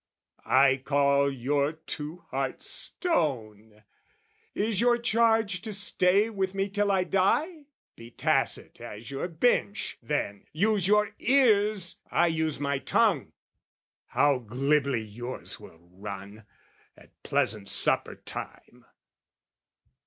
I call your two hearts stone! Is your charge to stay with me till I die? Be tacit as your bench, then! Use your ears, I use my tongue: how glibly yours will run At pleasant supper time...